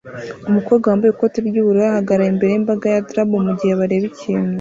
Umukobwa wambaye ikoti ry'ubururu ahagarara imbere yimbaga ya drab mugihe bareba ikintu